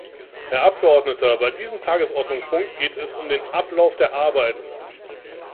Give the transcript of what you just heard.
Herr Abgeordneter, bei diesem Tagesordnungspunkt geht es um den Ablauf der Arbeiten.